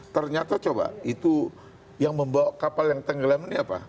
ternyata coba itu yang membawa kapal yang tenggelam ini apa